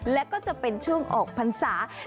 แล้วก็จะเป็นช่วงออกพันธุ์ภาคค่ะ